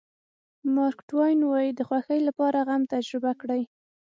مارک ټواین وایي د خوښۍ لپاره غم تجربه کړئ.